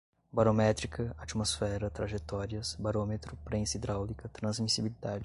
barométrica, atmosfera, trajetórias, barômetro, prensa hidráulica, transmissibilidade